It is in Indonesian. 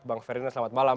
bang ferdinand selamat malam